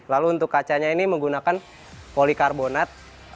lalu untuk kacanya ini menggunakan polikarbonat